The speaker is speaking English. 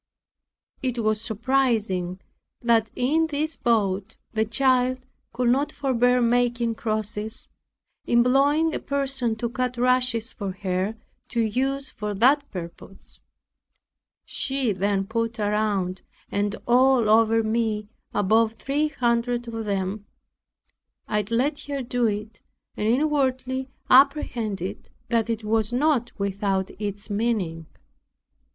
It was surprising that in this boat the child could not forbear making crosses, employing a person to cut rushes for her to use for that purpose. She then put around, and all over me, above three hundred of them. I let her do it, and inwardly apprehended that it was not without its meaning.